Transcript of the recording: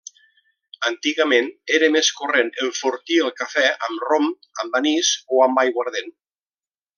Antigament era més corrent enfortir el cafè amb rom, amb anís o amb aiguardent.